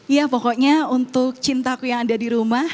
ya pokoknya untuk cintaku yang ada di rumah